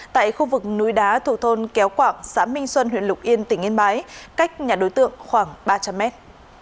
tại khu vực núi đá thuộc thôn kéo quảng xã minh xuân huyện lục yên tỉnh yên bái cách nhà đối tượng khoảng ba trăm linh mét